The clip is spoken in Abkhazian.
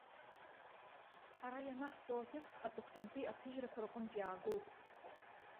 Ара ианаҳҵо атекст аҵыхәтәантәи аҭыжьрақәа рҟынтә иаагоуп.